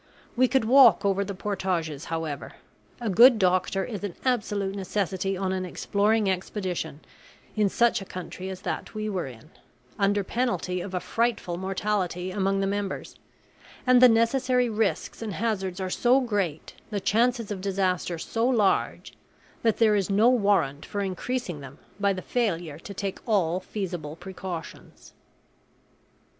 We could walk over the portages, however. A good doctor is an absolute necessity on an exploring expedition in such a country as that we were in, under penalty of a frightful mortality among the members; and the necessary risks and hazards are so great, the chances of disaster so large, that there is no warrant for increasing them by the failure to take all feasible precautions.